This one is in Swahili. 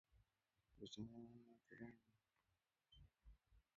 vitamini A inayotakiwa kwa mtoto chini ya miaka tano ni gram mia ishirini na tano